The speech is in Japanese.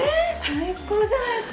最高じゃないっすか。